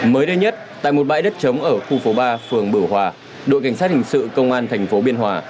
mới đây nhất tại một bãi đất chống ở khu phố ba phường bửu hòa đội cảnh sát hình sự công an tp biên hòa